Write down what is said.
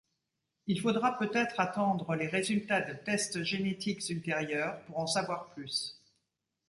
Il faudra peut-être attendre les résultats de tests génétiques ultérieurs pour en savoir plus.